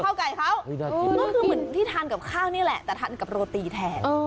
เหมือนที่ทานกับข้าวนี่แหละแต่ทานกับโรตีแทน